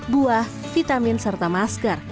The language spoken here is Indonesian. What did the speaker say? buah vitamin serta masker